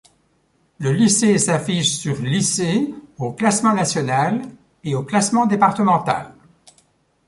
Le lycée s'affiche sur lycées au classement national et au classement départemental.